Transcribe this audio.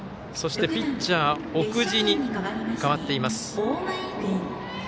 そして、ピッチャー奥地に代わっています。